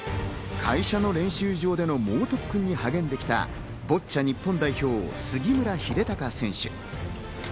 会社の練習場での猛特訓に励んできたボッチャ日本代表・杉村英孝選手。